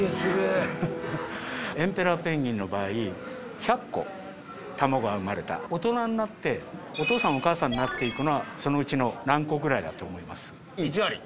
エンペラーペンギンの場合１００個卵が生まれたら大人になってお父さんお母さんになっていくのはそのうちの何個ぐらいだと思います？